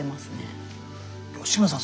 吉村さん